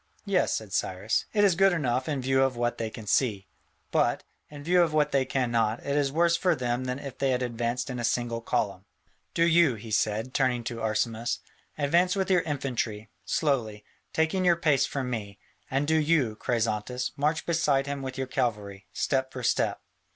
"Yes," said Cyrus, "it is good enough in view of what they can see, but, in view of what they cannot, it is worse for them than if they had advanced in a single column. Do you," he said, turning to Arsamas, "advance with your infantry, slowly, taking your pace from me, and do you, Chrysantas, march beside him with your cavalry, step for step.